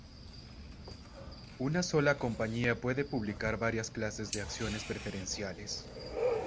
Una sola compañía puede publicar varias clases de acciones preferenciales.